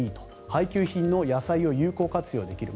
配給品の野菜を有効活用できる。